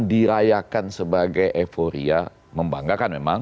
dirayakan sebagai euforia membanggakan memang